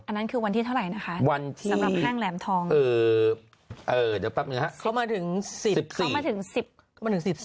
อันนั้นคือวันที่เท่าไหร่นะคะสำหรับห้างแหลมทอง